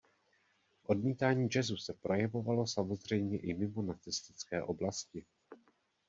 Odmítání jazzu se projevovalo samozřejmě i mimo nacistické oblasti.